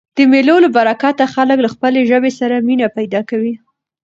د مېلو له برکته خلک له خپلي ژبي سره مینه پیدا کوي.